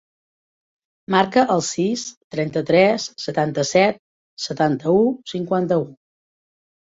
Marca el sis, trenta-tres, setanta-set, setanta-u, cinquanta-u.